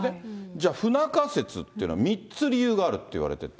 じゃあ、不仲説っていうのは３つ理由があるっていわれてて。